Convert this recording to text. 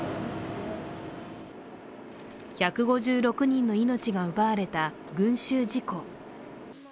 １５６人の命が奪われた群集事故。